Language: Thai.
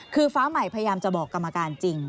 คือฟ้าใหม่พยายามจะบอกกรรมการจริง